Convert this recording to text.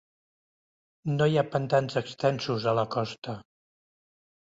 No hi ha pantans extensos a la costa.